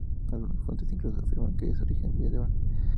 Algunas fuentes incluso afirman un origen medieval.